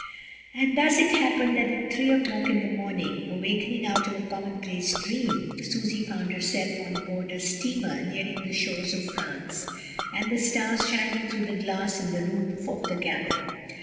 And thus it happened that at three o'clock in the morning, awakening out of a common place dream, Susy found herself on board a steamer near ing the shores of France; with the stars shining through the glass in the roof of the cabin.